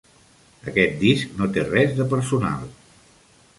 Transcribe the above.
Aquest disc no té res de personal.